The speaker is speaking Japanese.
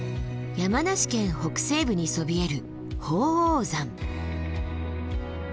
山梨県北西部にそびえる鳳凰山。